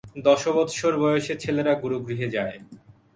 দশবৎসর বয়সে ছেলেরা গুরুগৃহে যায়।